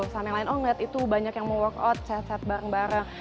sama yang lain oh ngeliat itu banyak yang mau workout sehat sehat bareng bareng